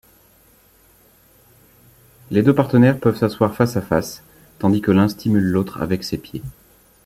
Les deux partenaires peuvent s'assoir face-à-face, tandis que l'un stimule l'autre avec ses pieds.